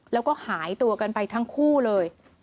แล้วก็หายตัวกันไปทั้งคู่เลย